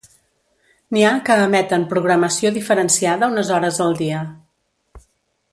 N'hi ha que emeten programació diferenciada unes hores al dia.